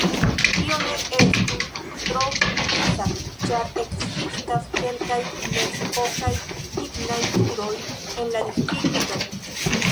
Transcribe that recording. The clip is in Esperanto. Tio ne estus tro surpriza ĉar ekzistas kelkaj mezepokaj lignaj turoj en la distrikto.